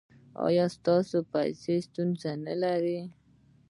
ایا د پیسو ستونزه لرئ؟